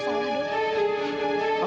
kalau memang aku salah dok